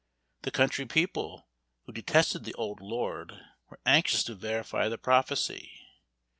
The country people, who detested the old Lord, were anxious to verify the prophecy.